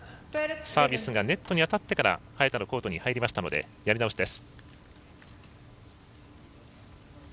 サービスがネットに当たってから早田のコートに入ったのでやり直しです。